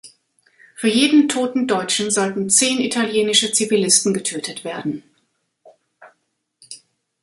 Für jeden toten Deutschen sollten zehn italienische Zivilisten getötet werden.